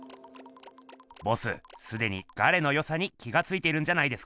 ボスすでにガレのよさに気がついているんじゃないですか？